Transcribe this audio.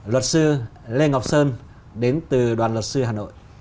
luật sư lê ngọc sơn đến từ đoàn luật sư hà nội